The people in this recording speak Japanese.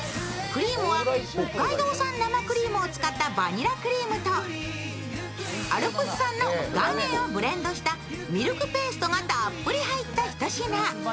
クリームは北海道産生クリームを使ったバニラクリームとアルプス産の岩塩をブレンドしたミルクペーストがたっぷり入った一品。